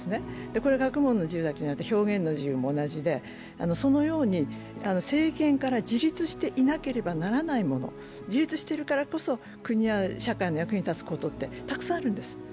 これは学問の自由だけじゃなくて表現の自由も同じで、そのように政権から自立していなければならないもの、自立しているからこそ国や社会の役に立つことってたくさんあるんです。